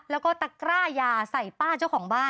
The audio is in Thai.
แล้วก็ตะกร้ายาใส่ป้าเจ้าของบ้าน